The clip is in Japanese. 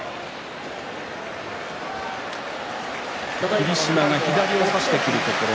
霧島が左を差してくるところ